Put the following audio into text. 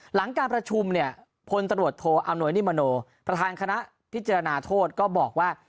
หลังการประชุมเนี่ยพลตรวจโทอำนวยนิมโนประธานคณะพิจารณาโทษก็บอกว่า